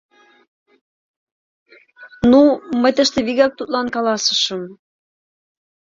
Ну, мый тыште вигак тудлан каласышым: